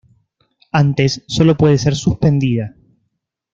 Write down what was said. Antes sólo puede ser suspendida.